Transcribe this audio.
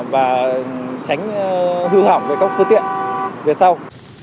và tránh hư hỏng với các phương tiện về sau